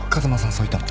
そう言ったの？